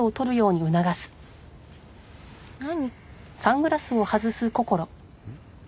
何？